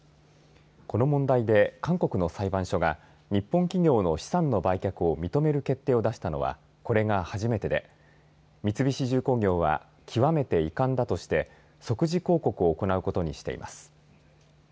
この問題で韓国の裁判所が日本企業の資産の売却を認める決定を出したのはこれが初めてで三菱重工業は極めて遺憾だとして即時抗告を行うことにしています。